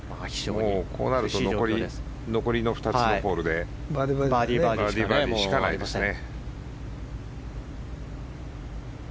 こうなると残りの２つのホールでバーディーバーディーしかないですね。